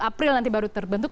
april nanti baru terbentuk